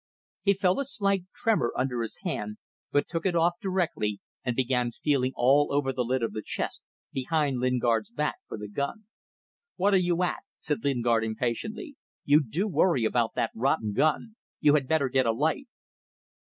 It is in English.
He felt a slight tremor under his hand, but took it off directly and began feeling all over the lid of the chest, behind Lingard's back, for the gun. "What are you at?" said Lingard, impatiently. "You do worry about that rotten gun. You had better get a light."